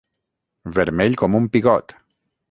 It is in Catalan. Vermell com un pigot.